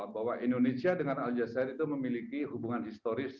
bahwa indonesia dengan aljazeera itu memiliki hubungan historis